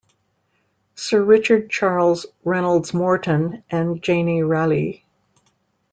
Sir Richard Charles Reynolds-Moreton and Janie Ralli.